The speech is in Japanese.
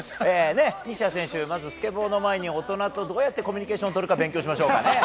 西矢選手、まずスケボーの前に大人とどうやってコミュニケーションをとるか勉強しましょうね。